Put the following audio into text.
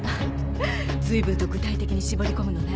ずいぶんと具体的に絞り込むのね。